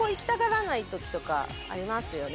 ありますよね？